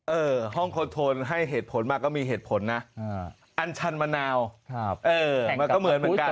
ห้องคอนโทนให้เหตุผลมาก็มีเหตุผลนะอันชันมะนาวมันก็เหมือนเหมือนกัน